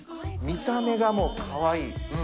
見た目がもうかわいい。